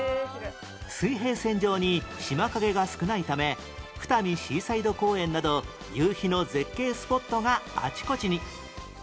水平線上に島影が少ないためふたみシーサイド公園など夕日の絶景スポットがあちこちに